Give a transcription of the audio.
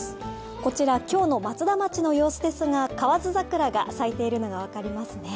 こちら今日の松田町の様子ですが、河津桜が咲いているのが分かりますね。